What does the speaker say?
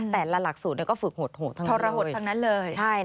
แต่หลักสูตรนี่ก็ฝึกโหดโหดทั้งนั้นเลย